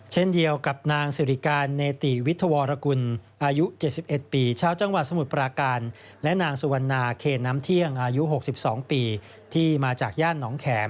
เช่นเดียวกับนางสิริการเนติวิทยาวรกุลอายุ๗๑ปีชาวจังหวัดสมุทรปราการและนางสุวรรณาเคนน้ำเที่ยงอายุ๖๒ปีที่มาจากย่านหนองแขม